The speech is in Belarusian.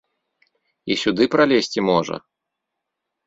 І сюды пралезці можа?